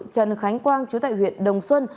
trần khánh quang chú tại huyện đồng xuân